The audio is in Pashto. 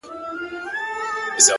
• لكه گلاب چي سمال ووهي ويده سمه زه؛